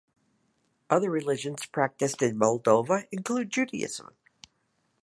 Other religions practiced in Moldova include Judaism.